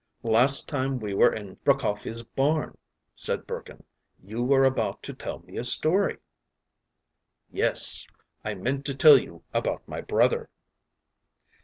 “Last time we were in Prokofy’s barn,” said Burkin, “you were about to tell me a story.” “Yes; I meant to tell you about my brother.